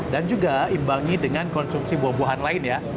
dan juga imbangi dengan konsumsi buah buahan lain ya